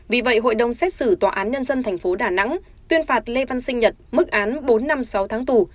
vì vậy hội đồng xét xử tòa án nhân dân tp đà nẵng tuyên phạt lê văn sinh nhật mức án bốn năm sáu tháng tù